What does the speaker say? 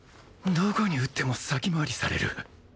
どこに打っても先回りされる